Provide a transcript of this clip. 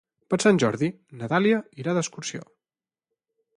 Per Sant Jordi na Dàlia irà d'excursió.